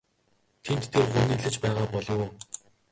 Тэнд тэр гуниглаж байгаа болов уу?